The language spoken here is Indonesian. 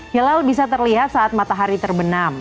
hilal bisa terlihat saat matahari terbenam